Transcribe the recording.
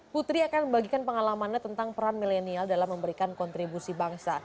putri akan membagikan pengalamannya tentang peran milenial dalam memberikan kontribusi bangsa